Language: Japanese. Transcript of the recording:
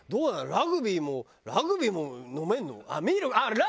ラグビーもラグビーも飲めるの？